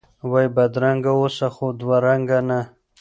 وایی بدرنګه اوسه، خو دوه رنګه نه!